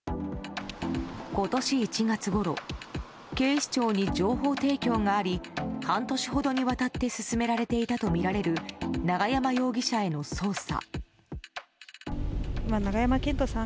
今年１月ごろ警視庁に情報提供があり半年ほどにわたって進められていたとみられる永山容疑者への捜査。